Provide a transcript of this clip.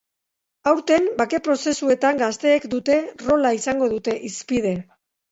Aurten, bake prozesuetan gazteek duten rola izango dute hizpide.